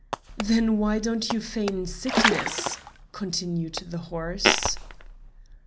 "Then why don't you feign sickness," continued the horse.